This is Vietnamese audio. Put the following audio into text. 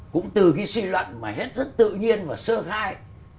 cũng từ cái suy luận mà hết rất tự nhiên và sơ khai